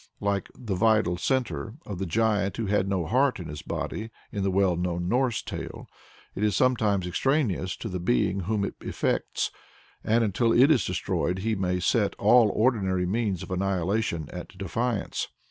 Like the vital centre of "the giant who had no heart in his body" in the well known Norse tale, it is something extraneous to the being whom it affects, and until it is destroyed he may set all ordinary means of annihilation at defiance.